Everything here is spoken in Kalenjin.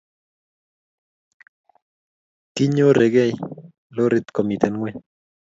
kinyoregei lorit komiten ngweny